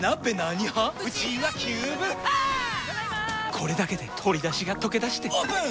これだけで鶏だしがとけだしてオープン！